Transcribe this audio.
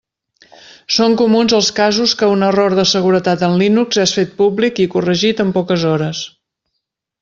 Són comuns els casos que un error de seguretat en Linux és fet públic i corregit en poques hores.